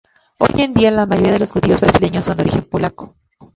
Hoy en día la mayoría de los judíos brasileños son de origen polaco.